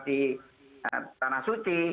di tanah suci